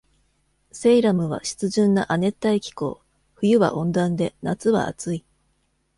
セイラムは湿潤な亜熱帯気候。冬は温暖で、夏は暑い。